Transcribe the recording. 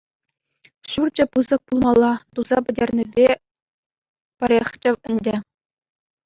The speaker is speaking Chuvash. Ҫурчӗ пысӑк пулмалла, туса пӗтернӗпе пӗрехчӗ ӗнтӗ.